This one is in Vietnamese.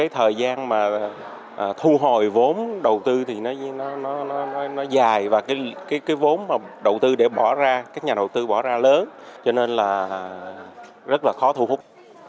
thời gian thu hồi vốn đầu tư dài và vốn đầu tư bỏ ra lớn cho nên rất khó thu hút